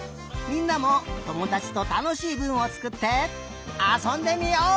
みんなもともだちとたのしいぶんをつくってあそんでみよう！